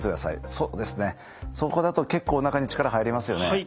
そうですねそこだと結構おなかに力入りますよね。